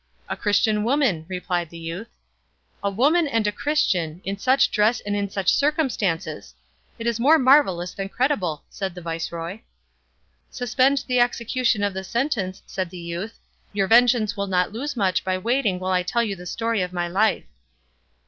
"A Christian woman," replied the youth. "A woman and a Christian, in such a dress and in such circumstances! It is more marvellous than credible," said the viceroy. "Suspend the execution of the sentence," said the youth; "your vengeance will not lose much by waiting while I tell you the story of my life."